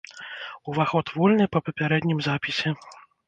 Уваход вольны па папярэднім запісе.